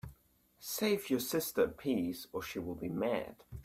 Save you sister a piece, or she will be mad.